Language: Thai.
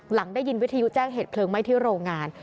หลังได้ยินวิทยุแจ้งเหตุเพลิงไหม้ที่โรงงาน